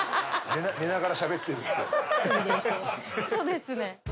そうですね。